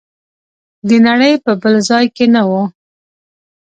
د نړۍ په بل ځای کې نه و.